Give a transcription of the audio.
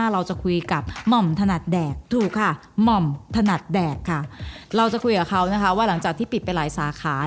เราจะคุยกับเขาว่าหลังจากที่ปิดไปหลายสาขา